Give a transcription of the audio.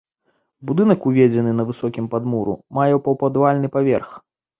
Будынак узведзены на высокім падмурку, мае паўпадвальны паверх.